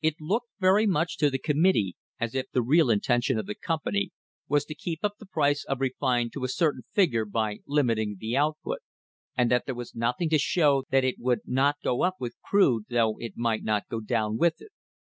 It looked very much to the committee as if the real intention of the company was to keep up the price of refined to a certain figure by limiting the output, and that there was nothing to show that it would not go up with crude though it might not go down with it!